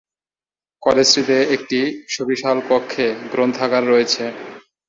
কলেজটিতে একটি সুবিশাল কক্ষে গ্রন্থাগার রয়েছে।